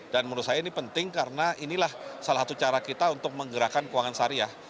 dan menurut saya ini penting karena inilah salah satu cara kita untuk menggerakkan keuangan sariah